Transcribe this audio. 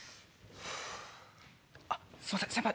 すいません先輩。